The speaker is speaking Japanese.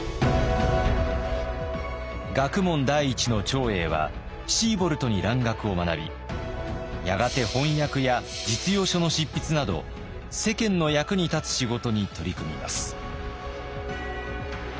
学問第一の長英はシーボルトに蘭学を学びやがて翻訳や実用書の執筆など世間の役に立つ仕事に取り組みます。